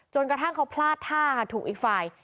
กระทั่งเขาพลาดท่าค่ะถูกอีกฝ่าย